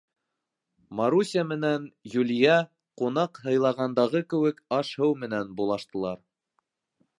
Маруся менән Юлия, ҡунаҡ һыйлағандағы кеүек, аш-һыу менән булаштылар.